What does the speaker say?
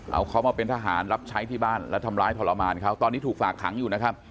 เอาเขามาเป็นทหารรับใช้ที่บ้านแล้วทำร้ายทรมานเขาตอนนี้ถูกฝากขังอยู่นะครับ